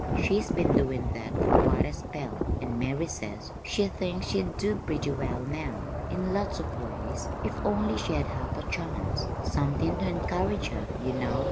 She's been doin' that for quite a spell and Mary says she thinks she'd do pretty well now, in lots of ways, if only she had half a chance somethin' to encourage her, you know.